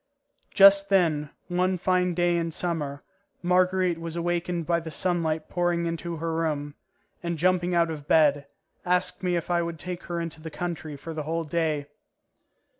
Just then, one fine day in summer, Marguerite was awakened by the sunlight pouring into her room, and, jumping out of bed, asked me if I would take her into the country for the whole day.